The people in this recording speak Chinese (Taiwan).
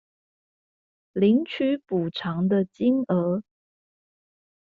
領取補償的金額